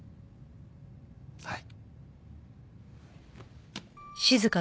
はい。